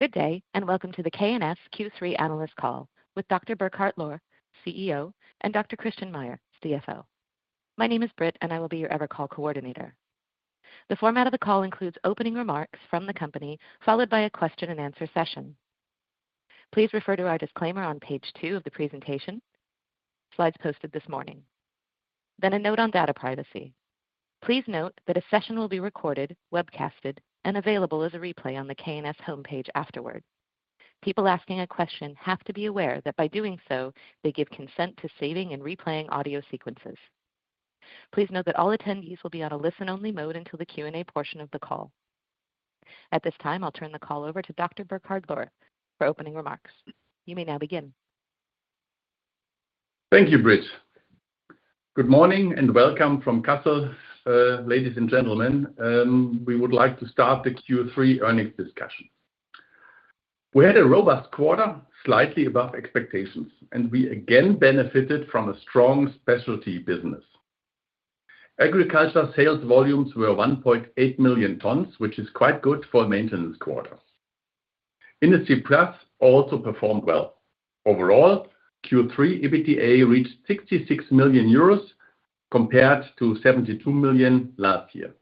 Good day, and welcome to the K+S Q3 Analyst Call with Dr. Burkhard Lohr, CEO, and Dr. Christian Meyer, CFO. My name is Britt, and I will be your Evercall Coordinator. The format of the call includes opening remarks from the company, followed by a question-and-answer session. Please refer to our disclaimer on page two of the presentation, slides posted this morning. Then a note on data privacy. Please note that a session will be recorded, webcasted, and available as a replay on the K+S homepage afterward. People asking a question have to be aware that by doing so, they give consent to saving and replaying audio sequences. Please note that all attendees will be on a listen-only mode until the Q&A portion of the call. At this time, I'll turn the call over to Dr. Burkhard Lohr for opening remarks. You may now begin. Thank you, Britt. Good morning and welcome from Kassel, ladies and gentlemen. We would like to start the Q3 earnings discussion. We had a robust quarter, slightly above expectations, and we again benefited from a strong specialty business. Agriculture sales volumes were 1.8 million tons, which is quite good for a maintenance quarter. Industry+ also performed well. Overall, Q3 EBITDA reached 66 million euros compared to 72 million EUR last year.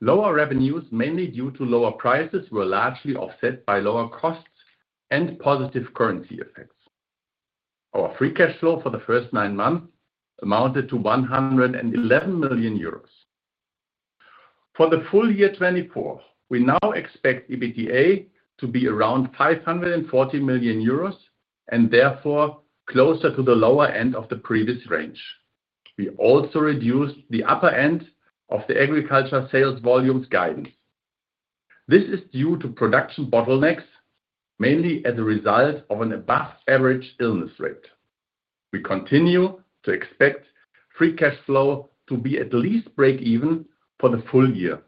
Lower revenues, mainly due to lower prices, were largely offset by lower costs and positive currency effects. Our free cash flow for the first nine months amounted to 111 million euros. For the full year 2024, we now expect EBITDA to be around 540 million euros and therefore closer to the lower end of the previous range. We also reduced the upper end of the agriculture sales volumes guidance. This is due to production bottlenecks, mainly as a result of an above-average illness rate. We continue to expect free cash flow to be at least break-even for the full year,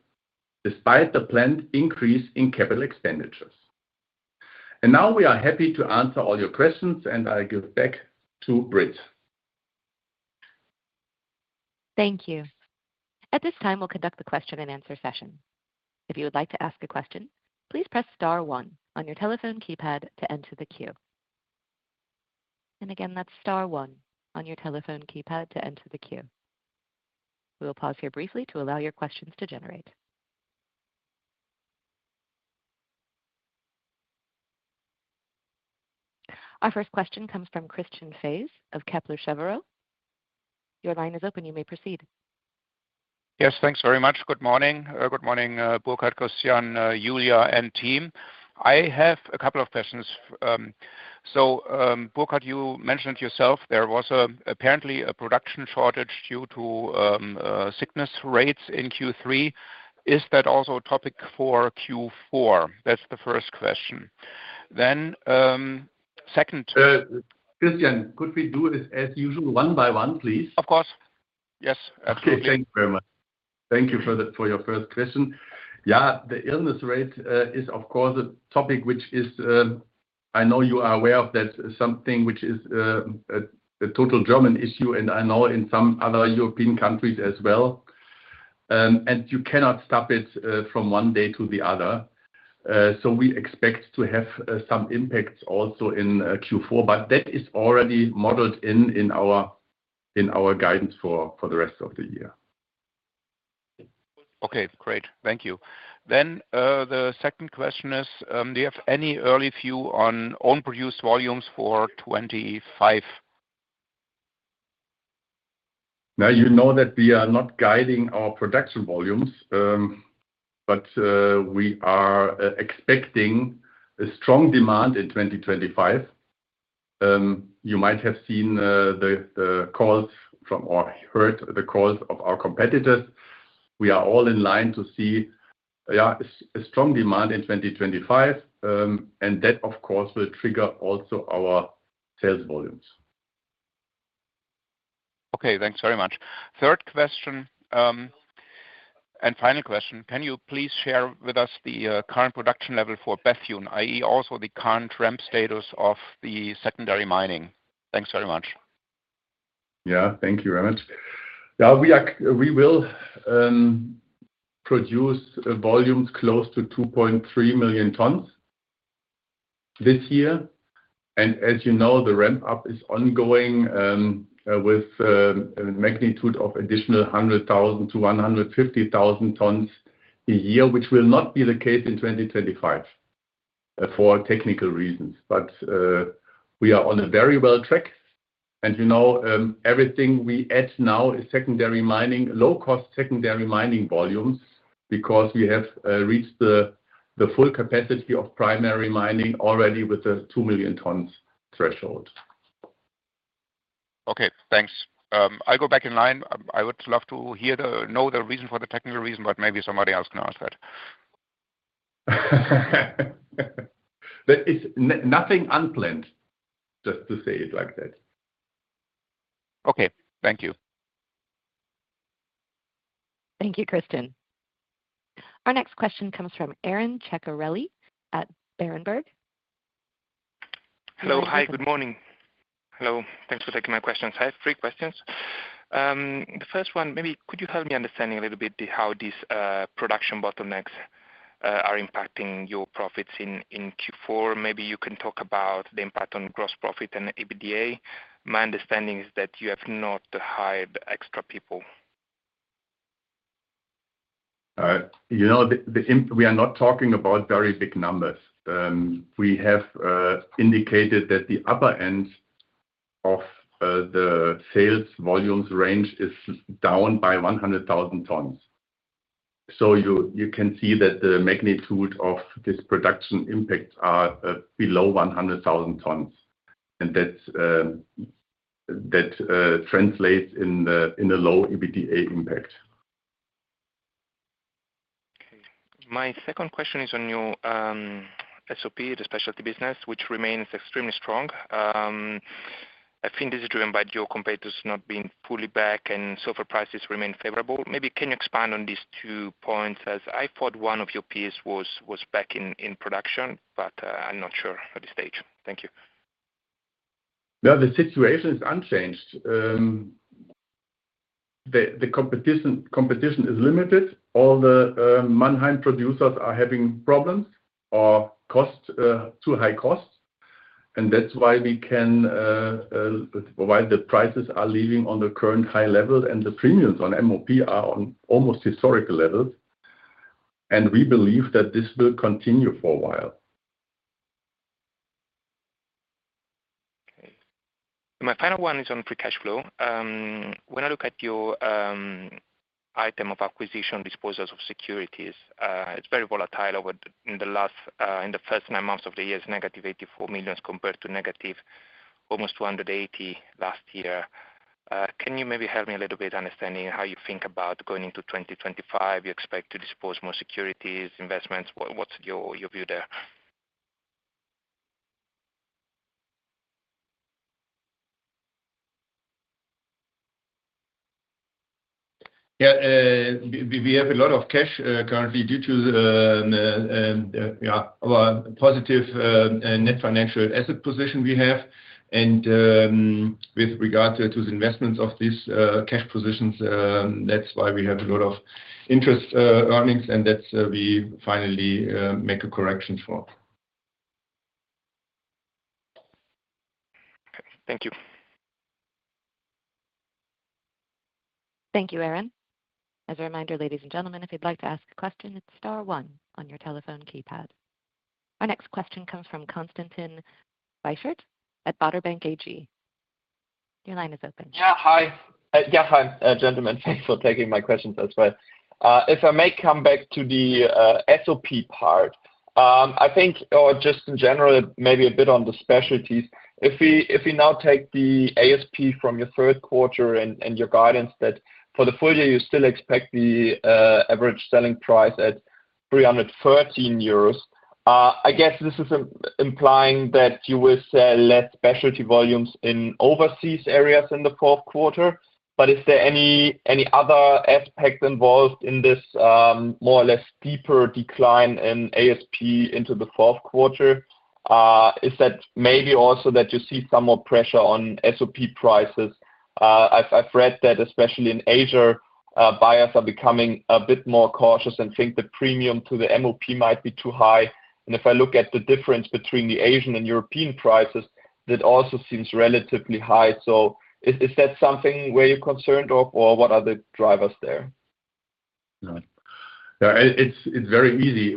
despite the planned increase in capital expenditures. And now we are happy to answer all your questions, and I'll give back to Britt. Thank you. At this time, we'll conduct the question-and-answer session. If you would like to ask a question, please press star one on your telephone keypad to enter the queue. And again, that's star one on your telephone keypad to enter the queue. We'll pause here briefly to allow your questions to generate. Our first question comes from Christian Faitz of Kepler Cheuvreux. Your line is open. You may proceed. Yes, thanks very much. Good morning. Good morning, Burkhard, Christian, Julia, and team. I have a couple of questions. So, Burkhard, you mentioned yourself there was apparently a production shortage due to sickness rates in Q3. Is that also a topic for Q4? That's the first question. Then, second. Christian, could we do it as usual, one by one, please? Of course. Yes, absolutely. Thank you very much. Thank you for your first question. Yeah, the illness rate is, of course, a topic which is, I know you are aware of that, something which is a total German issue, and I know in some other European countries as well, and you cannot stop it from one day to the other, so we expect to have some impacts also in Q4, but that is already modeled in our guidance for the rest of the year. Okay, great. Thank you. Then the second question is, do you have any early view on own-produced volumes for 2025? Now, you know that we are not guiding our production volumes, but we are expecting a strong demand in 2025. You might have seen the calls or heard the calls of our competitors. We are all in line to see, yeah, a strong demand in 2025, and that, of course, will trigger also our sales volumes. Okay, thanks very much. Third question and final question. Can you please share with us the current production level for Bethune, i.e., also the current ramp status of the secondary mining? Thanks very much. Yeah, thank you very much. Yeah, we will produce volumes close to 2.3 million tons this year. And as you know, the ramp-up is ongoing with a magnitude of additional 100,000-150,000 tons a year, which will not be the case in 2025 for technical reasons. But we are on a very good track. And you know everything we add now is secondary mining, low-cost secondary mining volumes, because we have reached the full capacity of primary mining already with the 2 million tons threshold. Okay, thanks. I'll go back in line. I would love to know the reason for the technical reason, but maybe somebody else can answer that. There is nothing unplanned, just to say it like that. Okay, thank you. Thank you, Christian. Our next question comes from Aron Ceccarelli at Berenberg. Hello, hi, good morning. Hello, thanks for taking my questions. I have three questions. The first one, maybe could you help me understand a little bit how these production bottlenecks are impacting your profits in Q4? Maybe you can talk about the impact on gross profit and EBITDA. My understanding is that you have not hired extra people. You know, we are not talking about very big numbers. We have indicated that the upper end of the sales volumes range is down by 100,000 tons. So you can see that the magnitude of this production impacts are below 100,000 tons. And that translates in a low EBITDA impact. Okay. My second question is on your SOP, the specialty business, which remains extremely strong. I think this is driven by your competitors not being fully back and SOP prices remain favorable. Maybe can you expand on these two points as I thought one of your peers was back in production, but I'm not sure at this stage. Thank you. No, the situation is unchanged. The competition is limited. All the Mannheim producers are having problems or too high costs, and that's why we can provide. The prices are levelling on the current high level, and the premiums on MOP are on almost historical levels, and we believe that this will continue for a while. Okay. My final one is on free cash flow. When I look at your item of acquisition, disposal of securities, it's very volatile over the last, in the first nine months of the year, it's -84 million compared to negative almost 280 last year. Can you maybe help me a little bit understanding how you think about going into 2025? You expect to dispose more securities, investments. What's your view there? Yeah, we have a lot of cash currently due to our positive net financial asset position we have. And with regard to the investments of these cash positions, that's why we have a lot of interest earnings, and that's what we finally make a correction for. Okay, thank you. Thank you, Aron. As a reminder, ladies and gentlemen, if you'd like to ask a question, it's star one on your telephone keypad. Our next question comes from Constantin Beichert at ODDO BHF. Your line is open. Yeah, hi. Yeah, hi, gentlemen. Thanks for taking my questions as well. If I may come back to the SOP part, I think, or just in general, maybe a bit on the specialties. If we now take the ASP from your third quarter and your guidance that for the full year, you still expect the average selling price at 313 euros, I guess this is implying that you will sell less specialty volumes in overseas areas in the fourth quarter. But is there any other aspect involved in this more or less deeper decline in ASP into the fourth quarter? Is that maybe also that you see some more pressure on SOP prices? I've read that especially in Asia, buyers are becoming a bit more cautious and think the premium to the MOP might be too high. And if I look at the difference between the Asian and European prices, that also seems relatively high. So is that something where you're concerned of, or what are the drivers there? Yeah, it's very easy.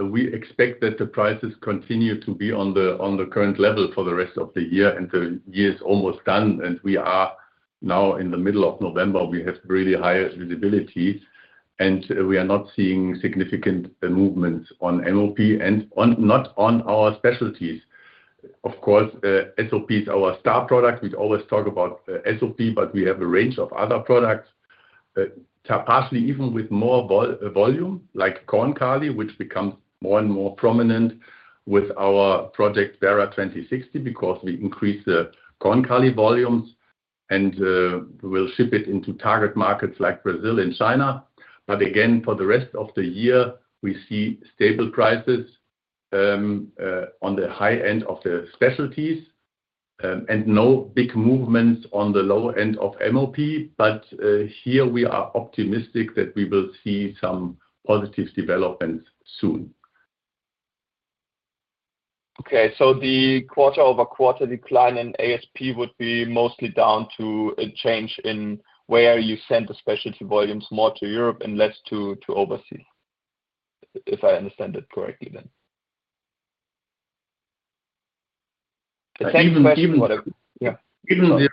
We expect that the prices continue to be on the current level for the rest of the year, and the year is almost done. And we are now in the middle of November. We have really high visibility, and we are not seeing significant movements on MOP and not on our specialties. Of course, SOP is our star product. We always talk about SOP, but we have a range of other products, partially even with more volume, like Korn-Kali, which becomes more and more prominent with our project Werra 2060, because we increase the Korn-Kali volumes and will ship it into target markets like Brazil and China. But again, for the rest of the year, we see stable prices on the high end of the specialties and no big movements on the low end of MOP. But here we are optimistic that we will see some positive developments soon. The quarter-over-quarter decline in ASP would be mostly down to a change in where you send the specialty volumes more to Europe and less to overseas, if I understand it correctly then. Even the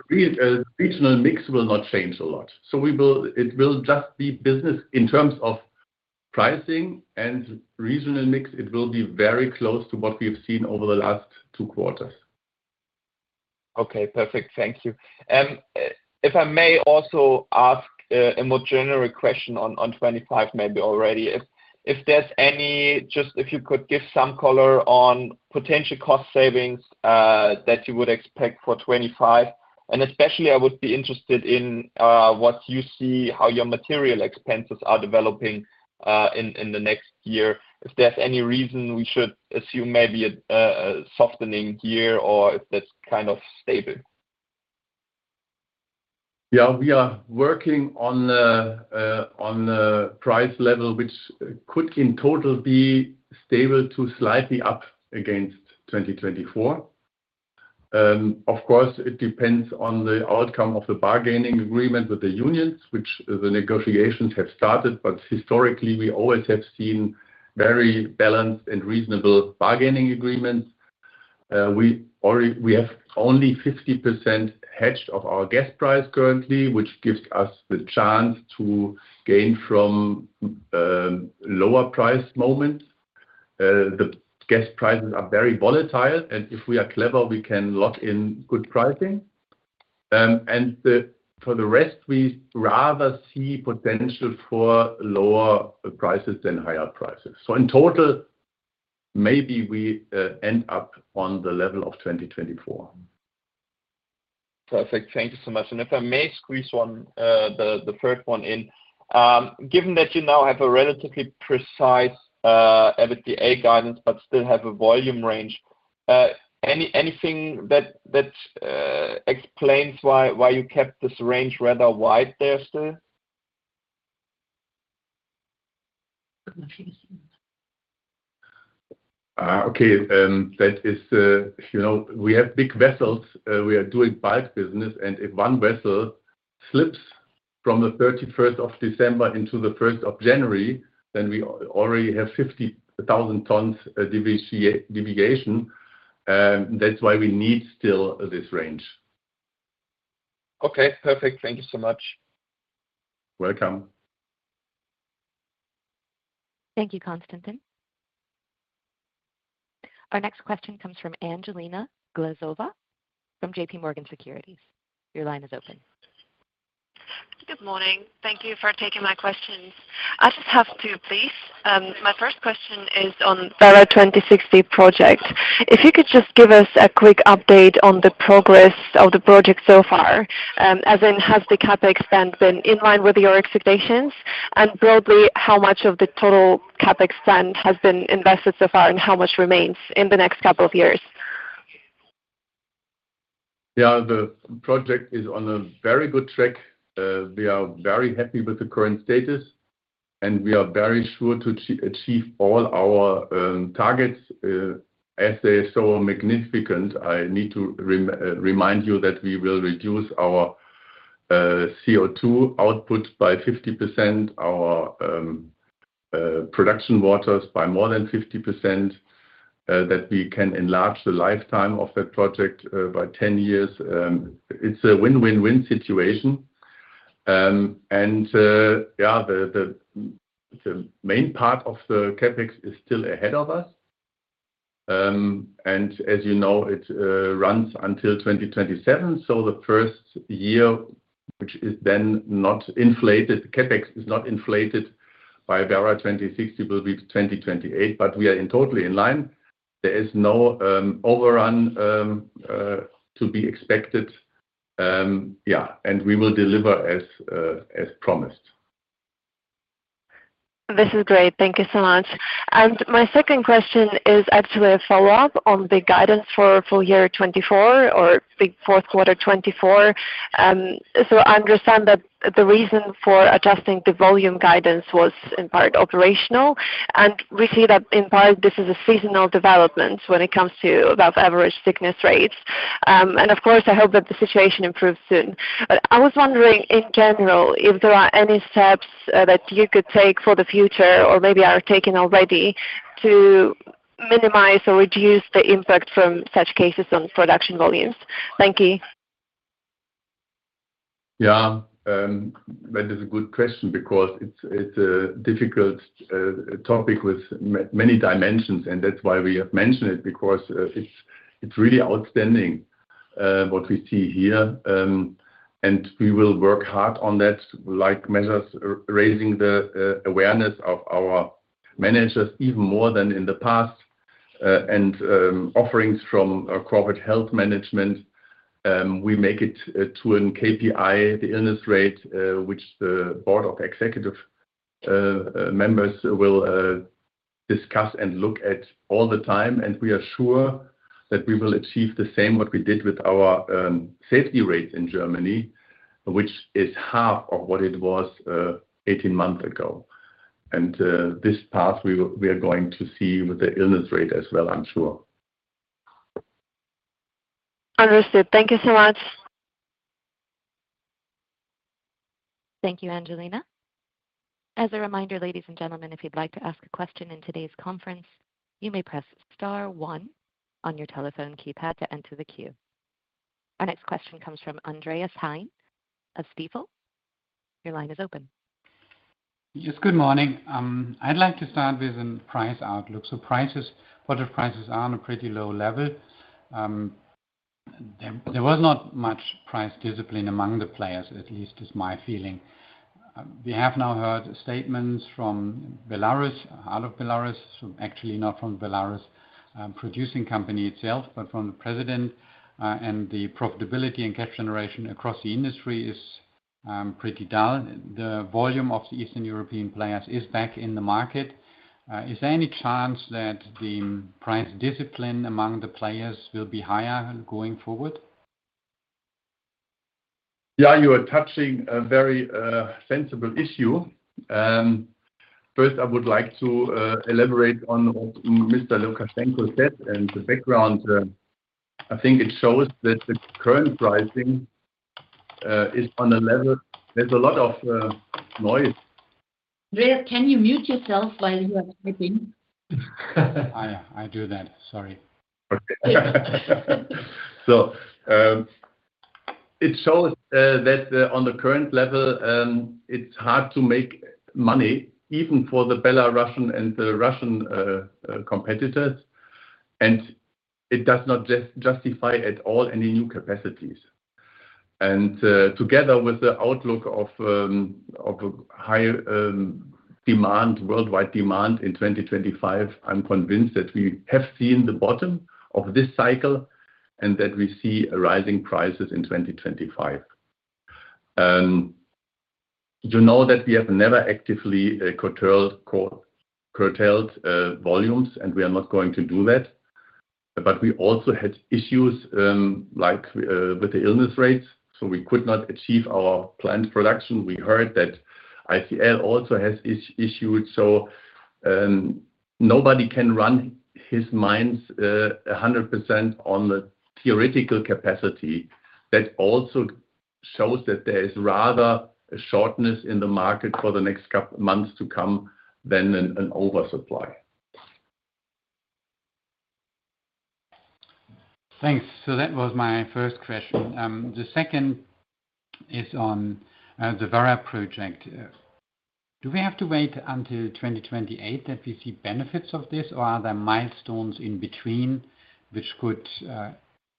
regional mix will not change a lot. So it will just be business in terms of pricing and regional mix. It will be very close to what we've seen over the last two quarters. Okay, perfect. Thank you. If I may also ask a more general question on 2025, maybe already. If there's any, just if you could give some color on potential cost savings that you would expect for 2025. And especially, I would be interested in what you see, how your material expenses are developing in the next year. If there's any reason we should assume maybe a softening here or if that's kind of stable. Yeah, we are working on a price level which could in total be stable to slightly up against 2024. Of course, it depends on the outcome of the bargaining agreement with the unions, which the negotiations have started. But historically, we always have seen very balanced and reasonable bargaining agreements. We have only 50% hedged of our gas price currently, which gives us the chance to gain from lower price moments. The gas prices are very volatile, and if we are clever, we can lock in good pricing. And for the rest, we rather see potential for lower prices than higher prices. So in total, maybe we end up on the level of 2024. Perfect. Thank you so much. And if I may squeeze one, the third one in. Given that you now have a relatively precise EBITDA guidance, but still have a volume range, anything that explains why you kept this range rather wide there still? Okay, that is, we have big vessels. We are doing bulk business, and if one vessel slips from the 31st of December into the 1st of January, then we already have 50,000 tons deviation. That's why we need still this range. Okay, perfect. Thank you so much. Welcome. Thank you, Constantin. Our next question comes from Angelina Glazova from J.P. Morgan Securities. Your line is open. Good morning. Thank you for taking my questions. I just have two, please. My first question is on Werra 2060 project. If you could just give us a quick update on the progress of the project so far, as in, has the CapEx spend been in line with your expectations, and broadly, how much of the total CapEx spend has been invested so far and how much remains in the next couple of years? Yeah, the project is on a very good track. We are very happy with the current status, and we are very sure to achieve all our targets. As they are so magnificent, I need to remind you that we will reduce our CO2 output by 50%, our production waters by more than 50%, that we can enlarge the lifetime of that project by 10 years. It's a win-win-win situation. And yeah, the main part of the CapEx is still ahead of us. And as you know, it runs until 2027. So the first year, which is then not inflated, the CapEx is not inflated by Werra 2060, will be 2028, but we are totally in line. There is no overrun to be expected. Yeah, and we will deliver as promised. This is great. Thank you so much. And my second question is actually a follow-up on the guidance for full year 2024 or fourth quarter 2024. So I understand that the reason for adjusting the volume guidance was in part operational. And we see that in part, this is a seasonal development when it comes to above-average sickness rates. And of course, I hope that the situation improves soon. But I was wondering in general, if there are any steps that you could take for the future or maybe are taking already to minimize or reduce the impact from such cases on production volumes. Thank you. Yeah, that is a good question because it's a difficult topic with many dimensions. And that's why we have mentioned it, because it's really outstanding what we see here. And we will work hard on that, like measures raising the awareness of our managers even more than in the past. And offerings from corporate health management, we make it to a KPI, the illness rate, which the board of executive members will discuss and look at all the time. And we are sure that we will achieve the same what we did with our safety rates in Germany, which is half of what it was 18 months ago. And this path, we are going to see with the illness rate as well, I'm sure. Understood. Thank you so much. Thank you, Angelina. As a reminder, ladies and gentlemen, if you'd like to ask a question in today's conference, you may press star one on your telephone keypad to enter the queue. Our next question comes from Andreas Heine of Stifel. Your line is open. Yes, good morning. I'd like to start with a price outlook. So what the prices are on a pretty low level. There was not much price discipline among the players, at least is my feeling. We have now heard statements from Belarus, out of Belarus, actually not from Belarus producing company itself, but from the president. And the profitability and cash generation across the industry is pretty dull. The volume of the Eastern European players is back in the market. Is there any chance that the price discipline among the players will be higher going forward? Yeah, you are touching a very sensitive issue. First, I would like to elaborate on what Mr. Lukashenko said and the background. I think it shows that the current pricing is on a level. There's a lot of noise. Andreas, can you mute yourself while you are typing? I do that. Sorry. So it shows that on the current level, it's hard to make money even for the Belarusian and the Russian competitors. And it does not justify at all any new capacities. And together with the outlook of high demand, worldwide demand in 2025, I'm convinced that we have seen the bottom of this cycle and that we see rising prices in 2025. You know that we have never actively curtailed volumes, and we are not going to do that. But we also had issues with the illness rates, so we could not achieve our planned production. We heard that ICL also has issues. So nobody can run his mines 100% on the theoretical capacity. That also shows that there is rather a shortness in the market for the next couple of months to come than an oversupply. Thanks. So that was my first question. The second is on the Werra project. Do we have to wait until 2028 that we see benefits of this, or are there milestones in between which could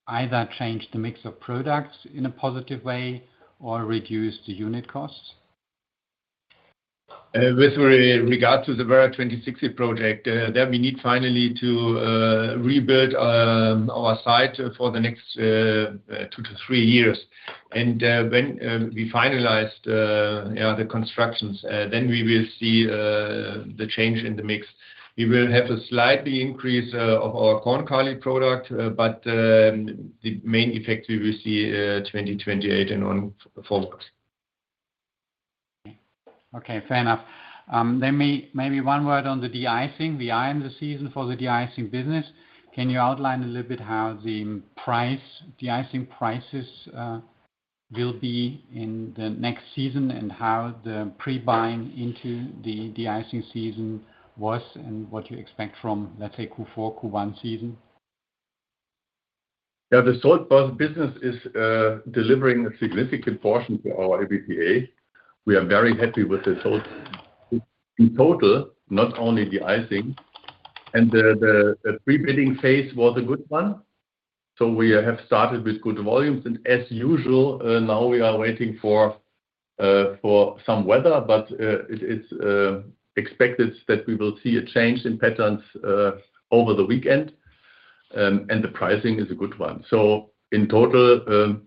either change the mix of products in a positive way or reduce the unit costs? With regard to the Werra 2060 project, we need finally to rebuild our site for the next two to three years, and when we finalize the constructions, then we will see the change in the mix. We will have a slight increase of our Korn-Kali product, but the main effect we will see 2028 and onwards. Okay, fair enough. Maybe one word on the de-icing, the winter season for the de-icing business. Can you outline a little bit how the de-icing prices will be in the next season and how the pre-buying into the de-icing season was and what you expect from, let's say, Q4, Q1 season? Yeah, the salt business is delivering a significant portion to our EBITDA. We are very happy with the salt in total, not only de-icing. And the pre-bidding phase was a good one. So we have started with good volumes. And as usual, now we are waiting for some weather, but it is expected that we will see a change in patterns over the weekend. And the pricing is a good one. So in total,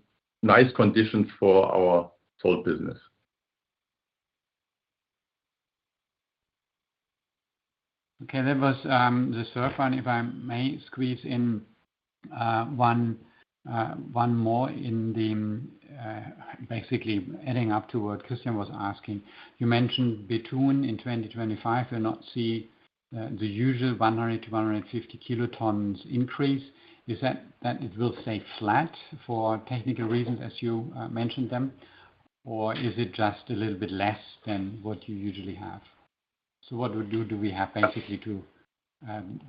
nice conditions for our salt business. Okay, that was the third one, if I may squeeze in one more, basically heading up to what Christian was asking. You mentioned between in 2025, you'll not see the usual 100-150 kilotons increase. Is that it will stay flat for technical reasons, as you mentioned them? Or is it just a little bit less than what you usually have? So what do we have basically to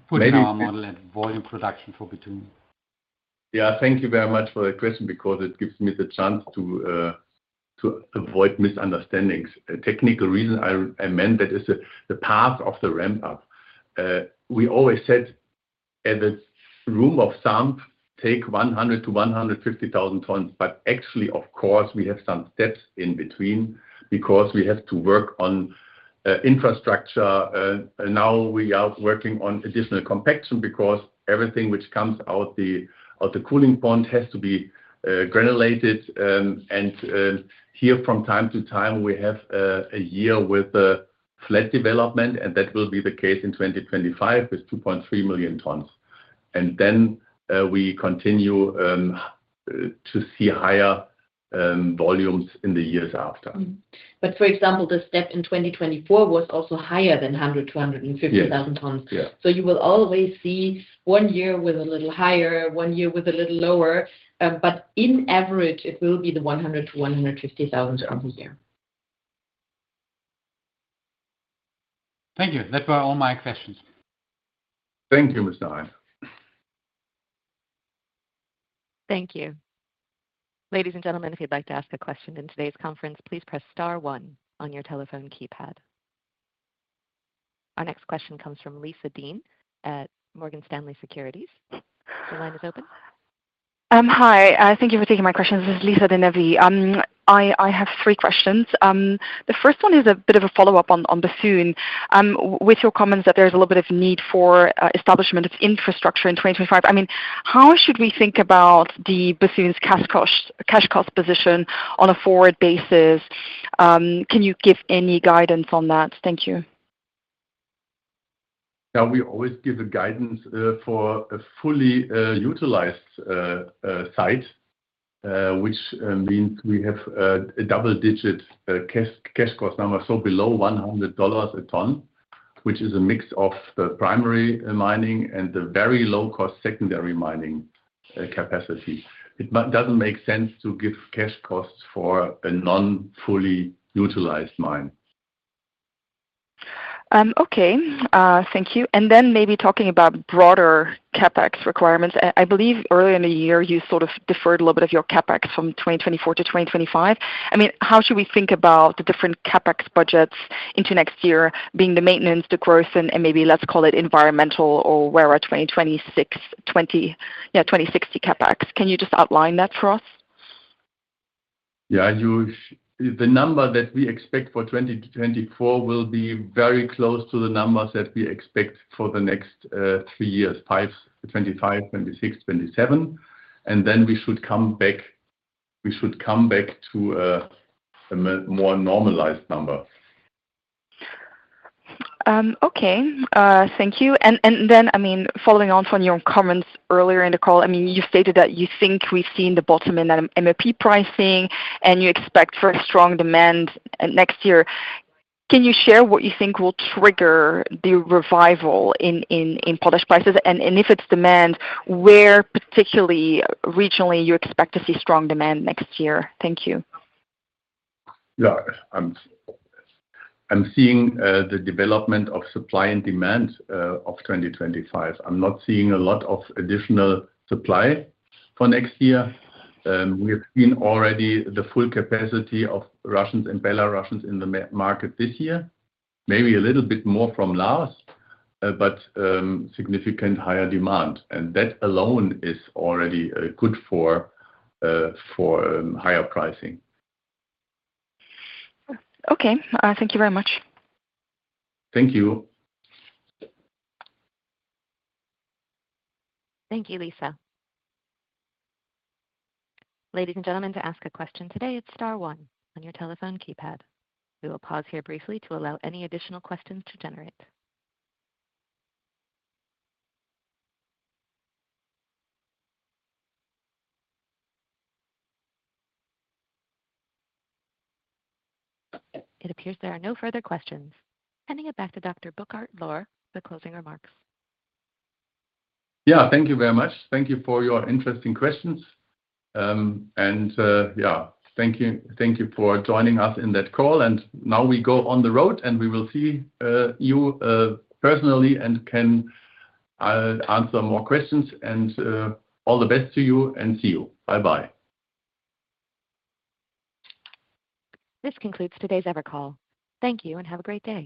put our model at volume production for between? Yeah, thank you very much for the question because it gives me the chance to avoid misunderstandings. Technical reason, I meant that is the path of the ramp-up. We always said at the rule of thumb, take 100,000-150,000 tons. But actually, of course, we have some steps in between because we have to work on infrastructure. Now we are working on additional compaction because everything which comes out of the cooling pond has to be granulated. And here, from time to time, we have a year with flat development, and that will be the case in 2025 with 2.3 million tons. And then we continue to see higher volumes in the years after. But for example, the step in 2024 was also higher than 100-150,000 tons. So you will always see one year with a little higher, one year with a little lower. But in average, it will be the 100-150,000 tons a year. Thank you. That were all my questions. Thank you, Mr. Heine. Thank you. Ladies and gentlemen, if you'd like to ask a question in today's conference, please press star one on your telephone keypad. Our next question comes from Lisa De Neve at Morgan Stanley. The line is open. Hi, thank you for taking my questions. This is Lisa De Neve. I have three questions. The first one is a bit of a follow-up on Bethune. With your comments that there's a little bit of need for establishment of infrastructure in 2025, I mean, how should we think about the Bethune's cash cost position on a forward basis? Can you give any guidance on that? Thank you. Yeah, we always give guidance for a fully utilized site, which means we have a double-digit cash cost number, so below $100 a ton, which is a mix of the primary mining and the very low-cost secondary mining capacity. It doesn't make sense to give cash costs for a non-fully utilized mine. Okay, thank you. And then maybe talking about broader CapEx requirements. I believe earlier in the year, you sort of deferred a little bit of your CapEx from 2024 to 2025. I mean, how should we think about the different CapEx budgets into next year being the maintenance, the growth, and maybe let's call it environmental or where are 2026, 2060 CapEx? Can you just outline that for us? Yeah, the number that we expect for 2024 will be very close to the numbers that we expect for the next three years, 2025, 2026, 2027, and then we should come back to a more normalized number. Okay, thank you. And then, I mean, following on from your comments earlier in the call, I mean, you stated that you think we've seen the bottom in MOP pricing, and you expect for strong demand next year. Can you share what you think will trigger the revival in potash prices? And if it's demand, where particularly regionally you expect to see strong demand next year? Thank you. Yeah, I'm seeing the development of supply and demand of 2025. I'm not seeing a lot of additional supply for next year. We have seen already the full capacity of Russians and Belarusians in the market this year, maybe a little bit more from last, but significant higher demand, and that alone is already good for higher pricing. Okay, thank you very much. Thank you. Thank you, Lisa. Ladies and gentlemen, to ask a question today, it's star one on your telephone keypad. We will pause here briefly to allow any additional questions to generate. It appears there are no further questions. Handing it back to Dr. Burkhard Lohr for closing remarks. Yeah, thank you very much. Thank you for your interesting questions. And yeah, thank you for joining us in that call. And now we go on the road, and we will see you personally and can answer more questions. And all the best to you and see you. Bye-bye. This concludes today's Evercall. Thank you and have a great day.